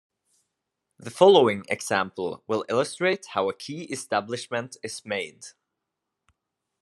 The following example will illustrate how a key establishment is made.